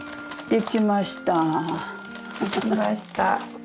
できました。